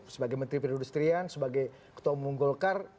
sebagai menteri perindustrian sebagai ketua umum golkar